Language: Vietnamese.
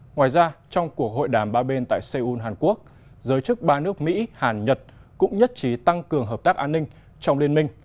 ngoài ra trong cuộc hội đàm ba bên tại seoul hàn quốc giới chức ba nước mỹ hàn nhật cũng nhất trí tăng cường hợp tác an ninh trong liên minh